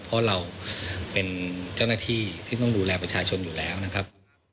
เพราะเราเป็นเจ้าหน้าที่ที่ต้องดูแลประชาชนอยู่แล้วนะครับ